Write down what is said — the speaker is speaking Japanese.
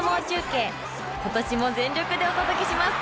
今年も全力でお届けします！